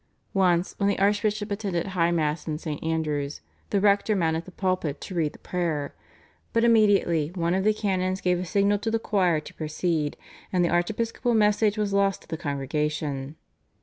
Once, when the archbishop attended High Mass in St. Andrew's, the rector mounted the pulpit to read the prayer, but immediately one of the canons gave a signal to the choir to proceed, and the archiepiscopal message was lost to the congregation.